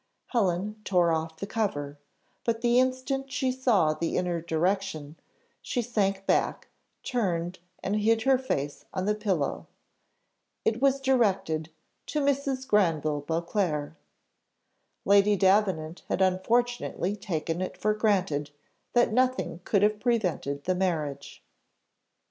Helen tore off the cover, but the instant she saw the inner direction, she sank hack, turned, and hid her face on the pillow. It was directed "To Mrs. Granville Beauclerc." Lady Davenant had unfortunately taken it for granted, that nothing could have prevented the marriage.